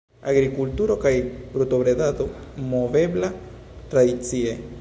Agrikulturo kaj brutobredado movebla tradicie.